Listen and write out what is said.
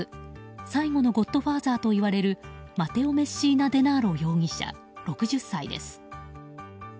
最後のゴッドファーザーといわれるマテオ・メッシーナ・デナーロ容疑者、６０歳です。